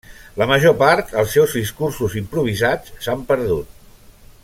La major part els seus discursos improvisats s'han perdut.